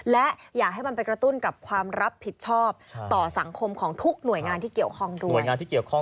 และอยากให้มันไปกระตุ้นกับความรับผิดชอบต่อสังคมของทุกหน่วยงานที่เกี่ยวของด้วย